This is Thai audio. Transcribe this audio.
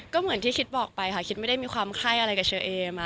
ก็เหมือนที่คิดบอกไปค่ะคิดไม่ได้มีความไข้อะไรกับเชอเอมา